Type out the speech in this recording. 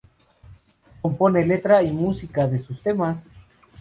Compone letra y música de sus temas.